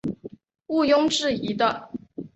无庸置疑的